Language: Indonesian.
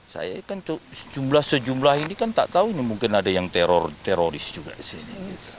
saya kan jumlah sejumlah ini kan tak tahu ini mungkin ada yang teroris juga di sini